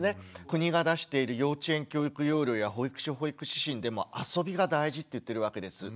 国が出している幼稚園教育要領や保育所保育指針でも遊びが大事って言ってるわけです。